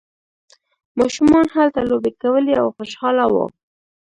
ماشومان هلته لوبې کولې او خوشحاله وو.